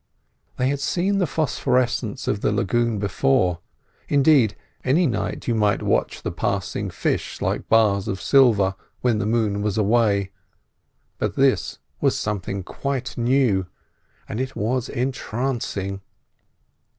They had seen the phosphorescence of the lagoon before; indeed, any night you might watch the passing fish like bars of silver, when the moon was away; but this was something quite new, and it was entrancing.